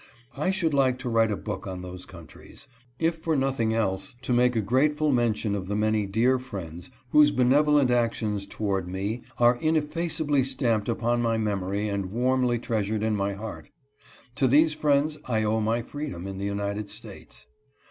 I should like to write a book on those countries, if for nothing else, to make grateful mention of the many dear friends whose benevolent actions toward me are ineffaceably stamped upon my memory and warmly treasured in my heart. To these friends I owe my freedom in the United States.